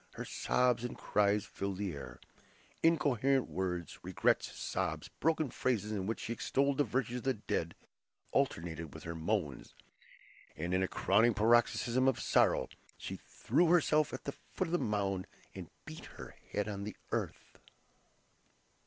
Her sobs and cries filled the air. Incoherent words, regrets, sobs, broken phrases in which she extolled the virtues of the dead, alternated with her moans, and in a crowning paroxysm of sorrow, she threw herself at the foot of the mound and beat her head on the earth.